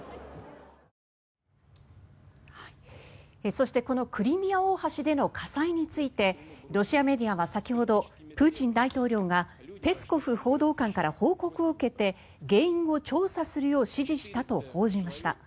そしてこのクリミア大橋での火災についてロシアメディアは、先ほどプーチン大統領がペスコフ報道官から報告を受けて原因を調査するよう指示したと報じました。